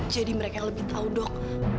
jadi mereka yang lebih tahu dok